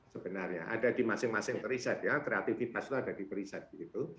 sebenarnya ada di masing masing riset ya kreativitas itu ada di periset begitu